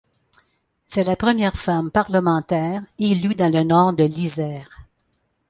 C'est la première femme parlementaire élue dans le nord de l'Isère.